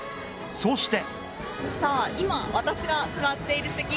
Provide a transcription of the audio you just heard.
そして。